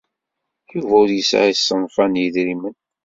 Yuba ur yesɛi ṣṣenf-a n yedrimen.